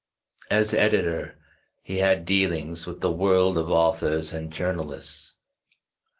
As editor, he had dealings with 'the world of authors and journalists.